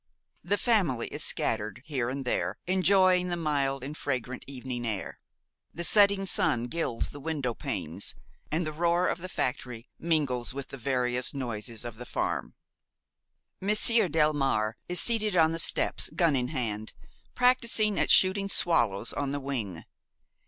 The family is scattered here and there, enjoying the mild and fragrant evening air; the setting sun gilds the windowpanes and the roar of the factory mingles with the various noises of the farm. Monsieur Delmare is seated on the steps, gun in hand, practising at shooting swallows on the wing.